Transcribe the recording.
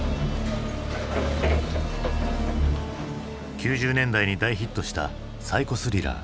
９０年代に大ヒットしたサイコスリラー